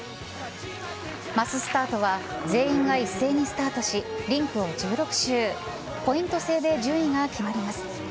マススタートは全員が一斉にスタートしリンクを１６周ポイント制で順位が決まります。